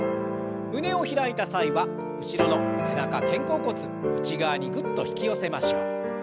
胸を開いた際は後ろの背中肩甲骨内側にグッと引き寄せましょう。